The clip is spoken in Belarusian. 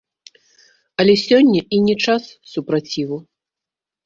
Але сёння і не час супраціву.